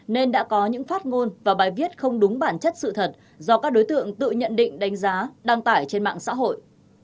nên đã có những phát ngôn và bài viết không đúng bản chất sự thật do các đối tượng tự nhận định đánh giá đăng tải trên mạng xã hội